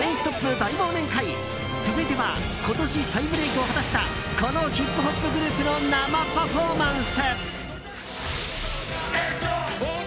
大忘年会続いては今年再ブレークを果たしたこのヒップホップグループの生パフォーマンス！